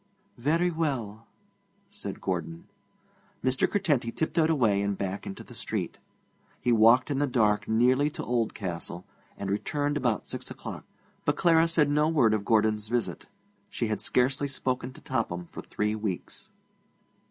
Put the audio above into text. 'Very well,' said Gordon. Mr. Curtenty tiptoed away and back into the street. He walked in the dark nearly to Oldcastle, and returned about six o'clock. But Clara said no word of Gordon's visit. She had scarcely spoken to Topham for three weeks.